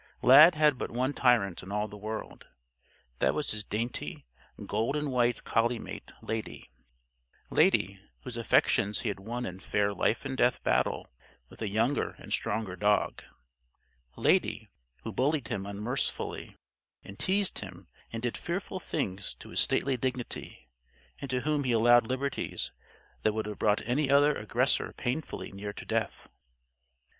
Lad had but one tyrant in all the world. That was his dainty gold and white collie mate, Lady; Lady, whose affections he had won in fair life and death battle with a younger and stronger dog; Lady, who bullied him unmercifully and teased him and did fearful things to his stately dignity; and to whom he allowed liberties that would have brought any other aggressor painfully near to death.